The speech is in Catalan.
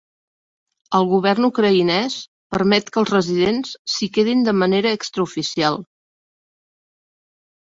El govern ucraïnès permet que els residents s'hi quedin de manera extraoficial.